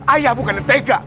ayah bukan entega